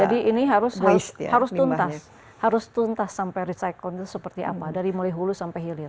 jadi ini harus tuntas harus tuntas sampai recycle seperti apa dari mulai hulu sampai hilir